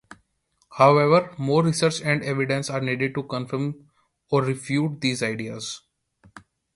However, more research and evidence are needed to confirm or refute these ideas.